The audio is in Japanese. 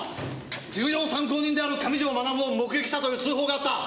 重要参考人である上条学を目撃したという通報があった。